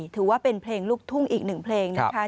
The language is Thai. ถือว่าเป็นเพลงลูกทุ่งอีกหนึ่งเพลงนะคะ